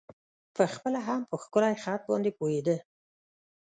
په خپله هم په ښکلی خط باندې پوهېده.